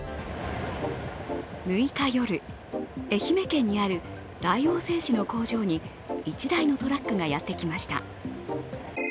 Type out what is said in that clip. ６日夜、愛媛県にある大王製紙の工場に１台のトラックがやってきました。